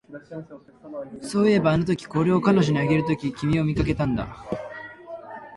そういえば、あのとき、これを彼女にあげるとき、君を見かけたんだ